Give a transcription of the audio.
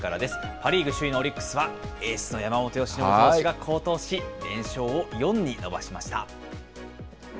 パ・リーグ首位のオリックスは、エースの山本由伸投手が好投し、連勝を４に伸ばしました。